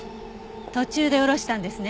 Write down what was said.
途中で降ろしたんですね